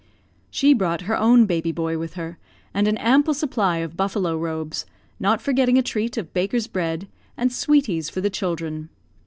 She brought her own baby boy with her, and an ample supply of buffalo robes, not forgetting a treat of baker's bread, and "sweeties" for the children.